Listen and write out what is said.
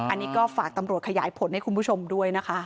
อันนี้ก็ฝากตำรวจขยายผลให้คุณผู้ชมด้วยนะคะ